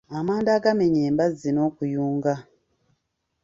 Amanda agamenya embazzi n'okuyunga.